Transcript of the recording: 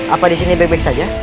apa disini baik baik saja